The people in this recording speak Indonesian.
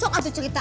sok atuh cerita